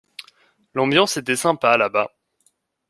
L’ambiance était sympa là-bas.